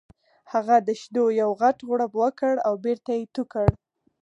هغه د شیدو یو غټ غوړپ وکړ او بېرته یې تو کړ